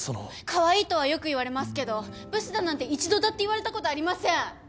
カワイイとはよく言われますけどブスだなんて一度だって言われたことありません！